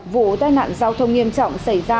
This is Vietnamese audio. vụ tai nạn giao thông nghiêm trọng xảy ra